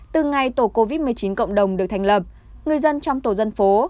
từ ngày tổ covid một mươi chín cộng đồng được thành lập người dân trong tổ dân phố